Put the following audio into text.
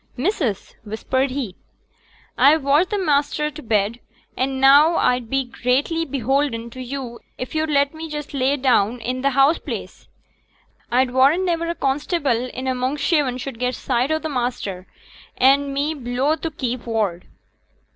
'Missus!' whispered he, 'a've watched t' maister t' bed; an' now a'd be greatly beholden to yo' if yo'd let me just lay me down i' t' house place. A'd warrant niver a constable i' a' Monkshaven should get sight o' t' maister, an' me below t' keep ward.'